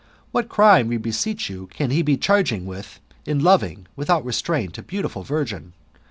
What crime, we beseech you, can he be charged with in loving, without restraint, a beautiful virgin?